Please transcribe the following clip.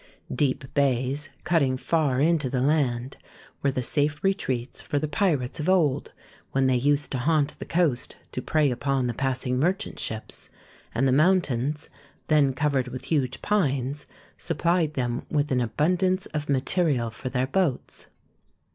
Deep bays, cutting far into the land, were the safe retreats for the pirates of old when they used to haunt the coast to prey upon the passing merchant ships, and the mountains, then covered with huge pines, supplied them with an abundance of material for their boats.